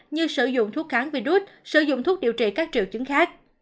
như sử dụng thuốc kháng virus sử dụng thuốc điều trị các triệu chứng khác